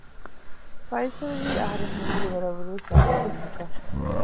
ފައިސަލްވީ އަހަރެން ހީކުރި ވަރަށް ވުރެވެސް ރަނގަޅު މީހަކަށް